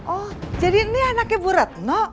oh jadi ini anaknya bu retno